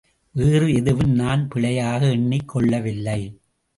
வேறு எதுவும் நான் பிழையாக எண்ணிக் கொள்ளவில்லை.